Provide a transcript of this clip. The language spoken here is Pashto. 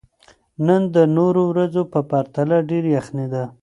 نن د نورو ورځو په پرتله ډېره یخني ده.